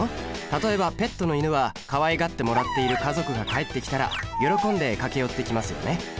例えばペットの犬はかわいがってもらっている家族が帰ってきたら喜んで駆け寄ってきますよね。